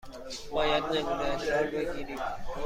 باید نمونه ادرار بگیریم.